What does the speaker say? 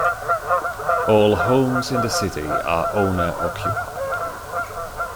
All homes in the city are owner occupied.